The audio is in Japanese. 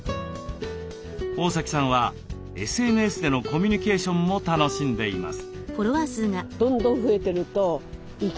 大崎さんはＳＮＳでのコミュニケーションも楽しんでいます。